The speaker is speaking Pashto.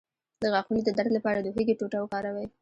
د غاښونو د درد لپاره د هوږې ټوټه وکاروئ